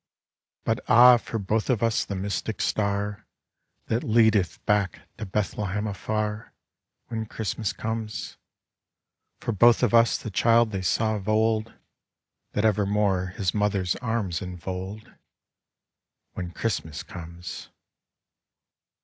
But ah, for both of us the mystic star That leadeth back to Bethlehem afar, When Christmas comes. For both of us the child they saw of old, That evermore his mother's arms enfold, When Christmas comes.